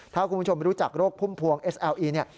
ถ้าคุณผู้ชมรู้จักโรคภูมิพวงเนี่ย